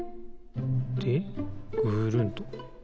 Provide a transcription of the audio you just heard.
でぐるんと。